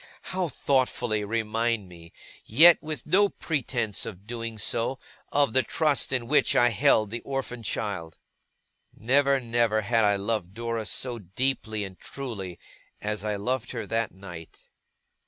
How thoughtfully remind me, yet with no pretence of doing so, of the trust in which I held the orphan child! Never, never, had I loved Dora so deeply and truly, as I loved her that night.